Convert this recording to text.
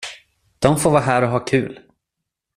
De får vara här och ha kul.